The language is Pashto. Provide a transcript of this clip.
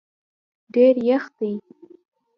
ډېر یخ دی